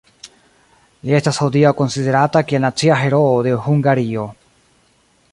Li estas hodiaŭ konsiderata kiel nacia heroo de Hungario.